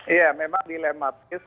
ya memang dilematis